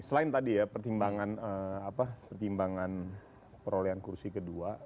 selain tadi ya pertimbangan perolehan kursi kedua